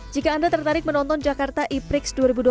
jika anda tertarik menonton jakarta e prix dua ribu dua puluh